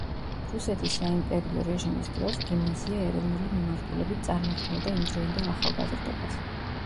რუსეთის საიმპერიო რეჟიმის დროს გიმნაზია ეროვნული მიმართულებით წარმართავდა იმდროინდელ ახალგაზრდობას.